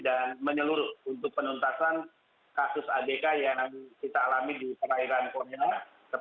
dan menyeluruh untuk penuntasan kasus abk yang kita alami di perairan korea